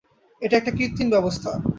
এটা একটা কৃত্রিম ব্যবস্থা।